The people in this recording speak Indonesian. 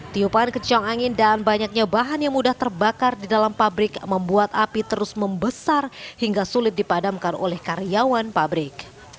tiupan kecong angin dan banyaknya bahan yang mudah terbakar di dalam pabrik membuat api terus membesar hingga sulit dipadamkan oleh karyawan pabrik